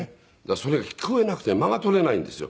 それが聞こえなくて間が取れないんですよ。